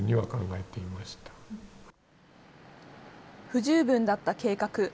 不十分だった計画。